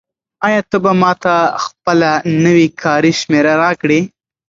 آیا ته به ماته خپله نوې کاري شمېره راکړې؟